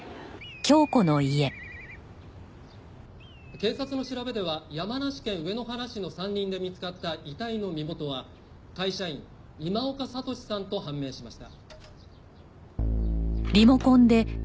「警察の調べでは山梨県上野原市の山林で見つかった遺体の身元は会社員今岡智司さんと判明しました」